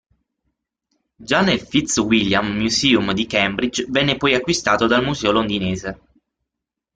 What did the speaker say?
Già nel Fitzwilliam Museum di Cambridge, venne poi acquistato dal museo londinese.